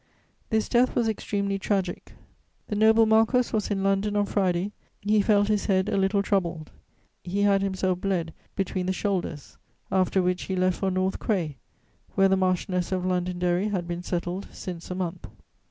"This death was extremely tragic. The noble marquess was in London on Friday; he felt his head a little troubled; he had himself bled between the shoulders. After which he left for North Cray, where the Marchioness of Londonderry had been settled since a month.